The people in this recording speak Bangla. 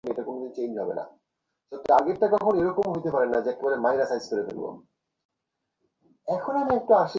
পরশু মাঠে নেমেই পর্তুগালের জার্সিতে একটা রেকর্ড করে ফেলেছেন ক্রিস্টিয়ানো রোনালদো, তবে যুগ্মভাবে।